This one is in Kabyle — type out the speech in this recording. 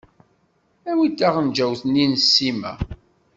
Awi-d taɣenǧawt-nni n ssima.